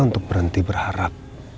untuk berhenti berharap